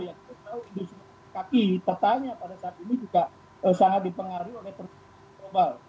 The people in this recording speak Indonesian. kita tahu industri kaki tetanya pada saat ini juga sangat dipengaruhi oleh perusahaan global